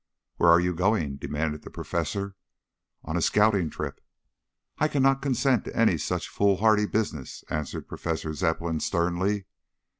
"Where are you going?" demanded the professor. "On a scouting trip." "I cannot consent to any such foolhardy business," answered Professor Zepplin sternly.